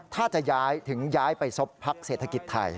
ถ้าจะย้ายถึงย้ายไปซบพักเศรษฐกิจไทย